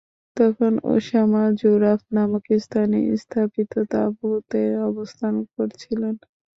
তখন উসামা জুরাফ নামক স্থানে স্থাপিত তাঁবুতে অবস্থান করছিলেন।